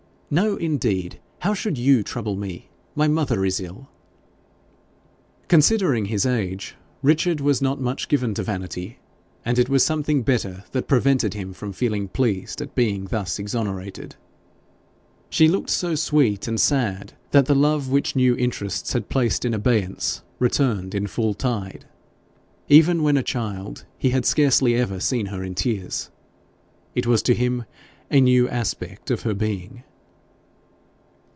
'No, indeed. How should you trouble me? My mother is ill.' Considering his age, Richard was not much given to vanity, and it was something better that prevented him from feeling pleased at being thus exonerated: she looked so sweet and sad that the love which new interests had placed in abeyance returned in full tide. Even when a child, he had scarcely ever seen her in tears; it was to him a new aspect of her being.